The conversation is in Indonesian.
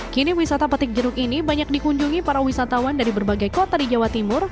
kini wisata petik jeruk ini banyak dikunjungi para wisatawan dari berbagai kota di jawa timur